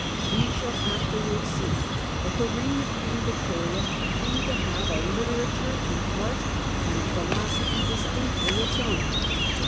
We shall afterwards see that the reign of Queen Victoria came to have a literature, an art, and a philosophy distinctly its own.